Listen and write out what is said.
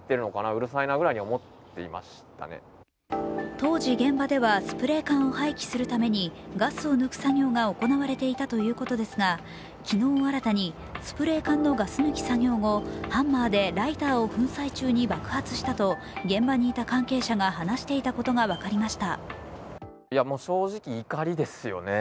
当時、現場ではスプレー缶を廃棄するためにガスを抜く作業が行われていたということですが昨日新たに、スプレー缶のガス抜き作業後、ハンマーでライターを粉砕中に爆発したと現場にいた関係者が話していたことが分かりました。